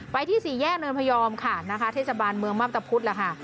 ที่สี่แยกเนินพยอมค่ะนะคะเทศบาลเมืองมับตะพุธล่ะค่ะ